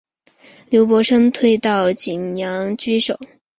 刘伯升退到棘阳据守。